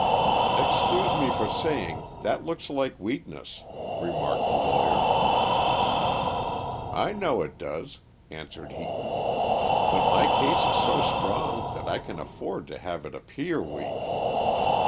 "Excuse me for saying that looks like weakness," remarked the lawyer. "I know it does," answered Heaton. "But my case is so strong that I can afford to have it appear weak."